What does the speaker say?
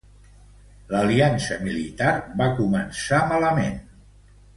L'aliança militar va començar malament.